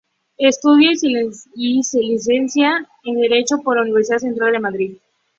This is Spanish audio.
Estudia y se licencia en Derecho por la Universidad Central de Madrid.